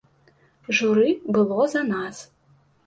Журы было за нас.